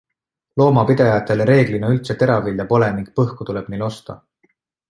Loomapidajatel reeglina üldse teravilja pole ning põhku tuleb neil osta.